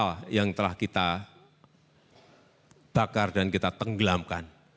kita telah mengejar dan kita tenggelamkan